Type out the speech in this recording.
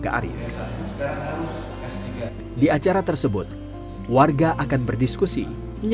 bagaimana cara anda membuang suatu kon aluminum tinggi